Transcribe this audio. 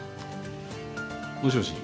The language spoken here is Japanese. もしもし。